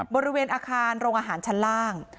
บริเวณอาคารโรงอาหารชั้นล่าง